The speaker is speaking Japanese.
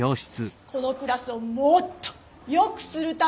このクラスをもっとよくするための目標。